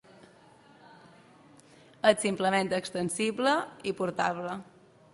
És simple, extensible i portable.